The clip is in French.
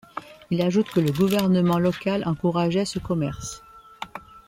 Il ajoute que le gouvernement local encourageait ce commerce.